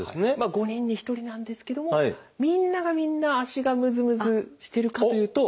５人に１人なんですけどもみんながみんな足がムズムズしてるかというと。